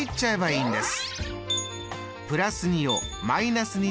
いいんです。